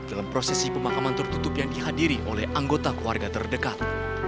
dalam prosesi pemakaman tertutup yang dihadiri oleh anggota keluarga terdekat